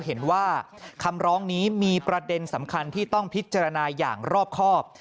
เห็นว่าคำร้องนี้มีประเด็นสำคัญที่ต้องพิจารณาอย่างรอบครอบ